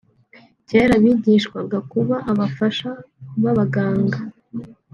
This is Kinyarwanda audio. Kera bigishwaga kuba abafasha b’abaganga